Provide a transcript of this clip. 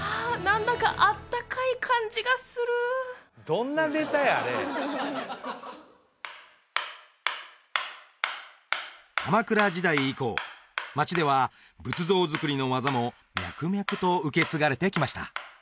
何だかあったかい感じがする鎌倉時代以降街では仏像造りの技も脈々と受け継がれてきました